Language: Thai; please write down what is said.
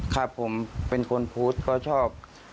ครับผมเป็นคนพรุษก็ชอบ